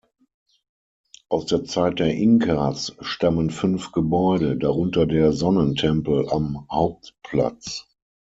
Aus der Zeit der Inkas stammen fünf Gebäude, darunter der Sonnentempel am Hauptplatz.